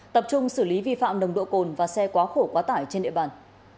tập trung xử lý vi phạm nồng độ cồn và xe quá khổ quá tải trên địa bàn